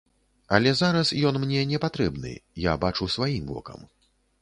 Але зараз ён мне не патрэбны, я бачу сваім вокам.